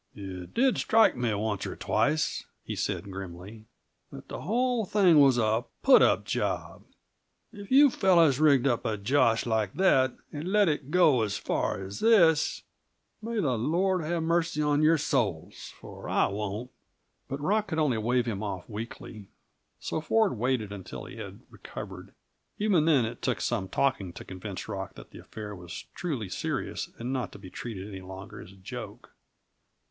"It did strike me, once or twice," he said grimly, "that the whole thing was a put up job. If you fellows rigged up a josh like that, and let it go as far as this, may the Lord have mercy on your souls, for I won't!" But Rock could only wave him off weakly; so Ford waited until he had recovered. Even then, it took some talking to convince Rock that the affair was truly serious and not to be treated any longer as a joke.